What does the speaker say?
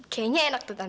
kayaknya enak tante